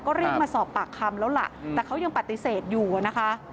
ก็เรียกมาสอบปากคำแล้วล่ะแต่เขายังปฏิเสธอยู่นะคะ